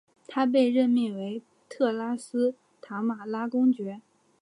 他被任命为特拉斯塔马拉公爵。